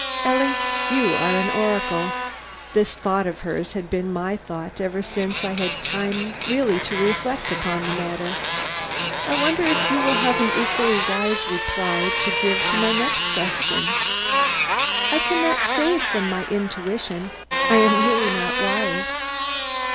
"Ellie, you are an oracle." This thought of hers had been my thought ever since I had had time really to reflect upon the matter. "I wonder if you will have an equally wise reply to give to my next question?" "I can not say. I speak from intuition; I am not really wise."